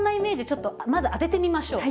ちょっとまず当ててみましょう。